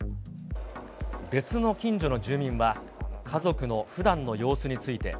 別の近所の住民は、家族のふだんの様子について。